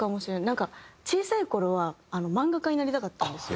なんか小さい頃は漫画家になりたかったんですよ。